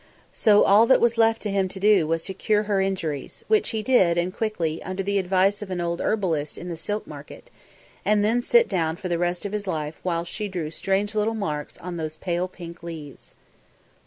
So all that was left to him to do was to cure her injuries which he did, and quickly, under the advice of an old herbalist in the Silk Market, and then sit down for the rest of his life whilst she drew strange little marks on those pale pink leaves.